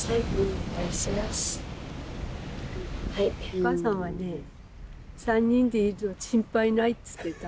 お母さんはね３人でいると心配ないって言ってた。